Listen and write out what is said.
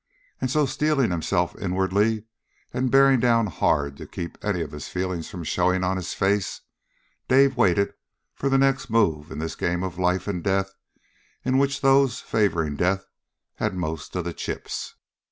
And so, steeling himself inwardly, and bearing down hard to keep any of his feelings from showing on his face, Dave waited for the next move in this game of life and death in which those favoring death had most of the chips.